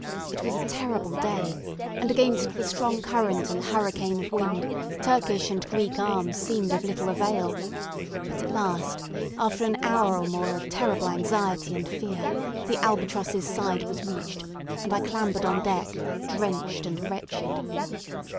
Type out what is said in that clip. It was a terrible day, and against the strong current and hurricane of wind Turkish and Greek arms seemed of little avail; but at last, after an hour or more of terrible anxiety and fear, the "Albatross's" side was reached, and I clambered on deck, drenched and wretched.